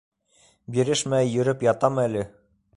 Бирешмәй йөрөп ятам әле.